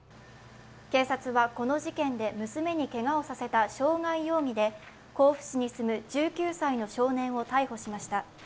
警察はこの事件で娘にけがをさせた傷害容疑で甲府市に住む１９歳の少年を逮捕しました。